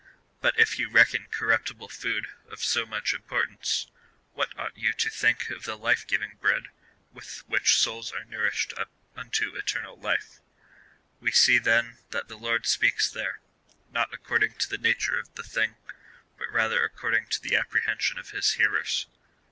But if you reckon corruiDtible food of so much importance, what ought you to think of the life giving bread, with which souls are nourished up unto eternal life V We see then that the Lord speaks there — not according to the nature of the thing, but rather according to the apprehension of his hearers.